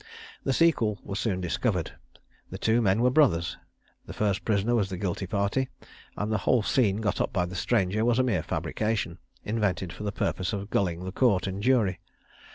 The sequel was soon discovered; the two men were brothers: the first prisoner was the guilty party, and the whole "scene" got up by the stranger was a mere fabrication, invented for the purpose of gulling the Court and jury.